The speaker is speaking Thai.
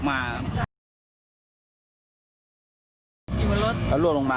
กระเบิดเกดนตกลงมา